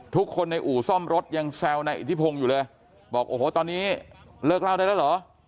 ทุกคนในอู่ซ่อมรถยังแซวนายอิทธิพงศ์อยู่เลยบอกโอ้โหตอนนี้เลิกเล่าได้แล้วเหรอ